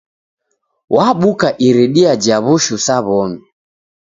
Wabuka iridia ja w'ushu sa w'omi.